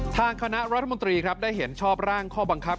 ทางคณะรัฐมนตรีครับได้เห็นชอบร่างข้อบังคับ